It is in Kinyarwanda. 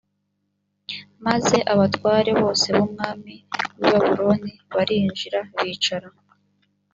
maze abatware bose b umwami w i babuloni barinjira bicara